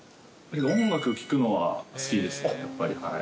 音楽聴くのは好きですね、やっぱり。